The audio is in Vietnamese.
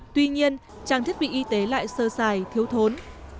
tuy nhiên trang thiết bị y tế lại sơ xài thiếu thốn